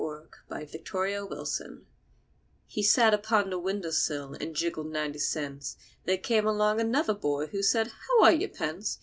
THAT INTERESTIN' BOY HE sat upon the window sill and jingled ninety cents. There came along another boy, who said, "How are you, Pence?